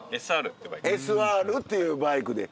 ＳＲっていうバイクで。